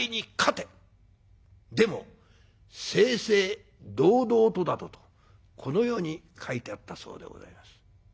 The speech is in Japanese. でも正々堂々とだ」とこのように書いてあったそうでございます。